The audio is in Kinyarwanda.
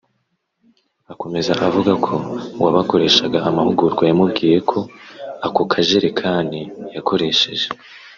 Akomeza avuga ko uwabakoreshaga amahugurwa yamubwiye ko ako kajerekani yakoresheje